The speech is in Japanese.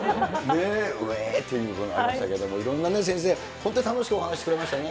うえーという声ありましたけれども、いろんなね、先生、本当に楽しくお話ししてくれましたね。